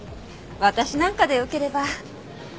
私なんかでよければ。